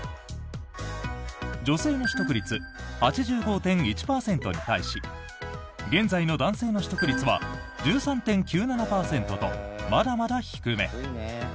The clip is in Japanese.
女性の取得率８５．１％に対し現在の男性の取得率は１３．９７％と、まだまだ低め。